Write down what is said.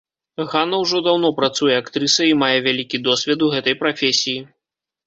Ганна ўжо даўно працуе актрысай і мае вялікі досвед у гэтай прафесіі.